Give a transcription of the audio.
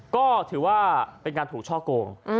ก็ถือว่าเป็นการถูกช่อโกง